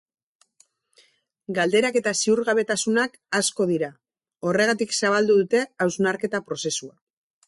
Galderak eta ziurgabetasunak asko dira, horregatik zabaldu dute hausnarketa prozesua.